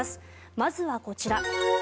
まずはこちら。